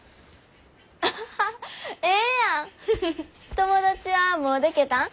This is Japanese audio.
友達はもうでけたん？